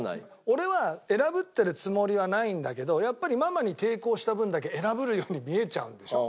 俺は偉ぶってるつもりはないんだけどやっぱりママに抵抗した分だけ偉ぶるように見えちゃうんでしょう。